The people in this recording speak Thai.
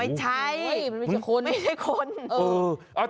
ไม่ใช่มันไม่ใช่คน